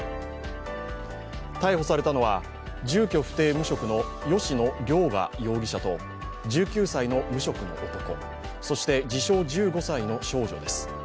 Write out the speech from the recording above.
逮捕されたのは、住居不定・無職の吉野凌雅容疑者と１９歳の無職の男とそして自称１５歳の少女です。